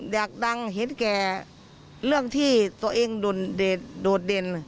อยากดังเห็นแก่เรื่องที่ตัวเองโดดเด่น